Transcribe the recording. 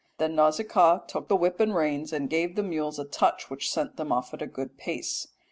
"Then Nausicaa took the whip and reins and gave the mules a touch which sent them off at a good pace.